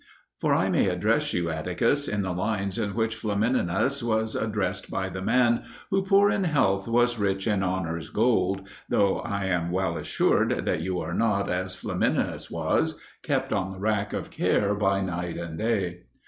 FOR I may address you, Atticus, in the lines in which Flamininus was addressed by the man, who, poor in wealth, was rich in honour's gold, though I am well assured that you are not, as Flamininus was, kept on the rack of care by night and day.